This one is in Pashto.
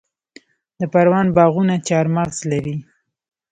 د پروان باغونه چهارمغز لري.